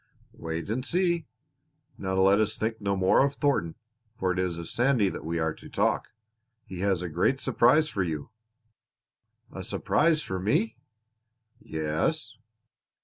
"Wait and see. Now let us think no more of Thornton, for it is of Sandy that we are to talk. He has a great surprise for you." "A surprise for me!" "Yes."